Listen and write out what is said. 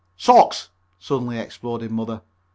"Socks!" suddenly exploded Mother.